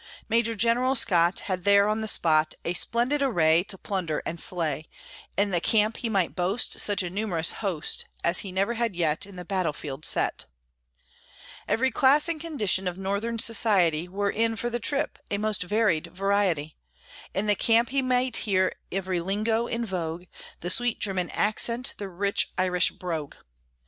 Major General Scott Had there on the spot A splendid array To plunder and slay; In the camp he might boast Such a numerous host, As he never had yet In the battlefield set; Every class and condition of Northern society Were in for the trip, a most varied variety: In the camp he might hear every lingo in vogue, "The sweet German accent, the rich Irish brogue."